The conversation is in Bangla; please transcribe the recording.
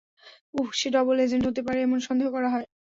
উহ, সে ডবল এজেন্ট হতে পারে এমন সন্দেহ করা হয়।